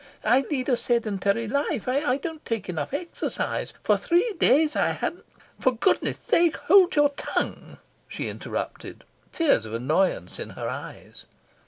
I lead a sedentary life. I don't take enough exercise. For three days I hadn't ..." "For goodness sake, hold your tongue," she interrupted, tears of annoyance in her eyes.